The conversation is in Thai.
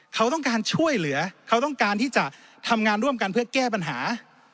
เขาต้องการช่วยเหลือเขาต้องการที่จะทำงานร่วมกันเพื่อแก้ปัญหา